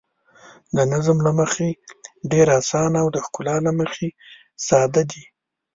د نظم له مخې ډېر اسانه او د ښکلا له مخې ساده دي.